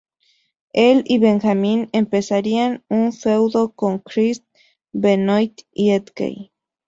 El y Benjamin empezarían un feudo con Chris Benoit y Edge.